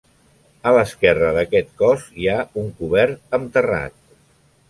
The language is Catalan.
A l'esquerra d'aquest cos hi ha un cobert amb terrat.